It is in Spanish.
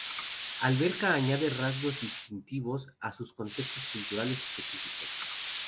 Alberca añade rasgos distintivos a sus contextos culturales específicos.